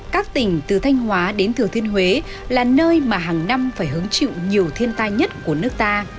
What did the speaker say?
các tỉnh từ thanh hóa đến thừa thiên huế là nơi mà hàng năm phải hứng chịu nhiều thiên tai nhất của nước ta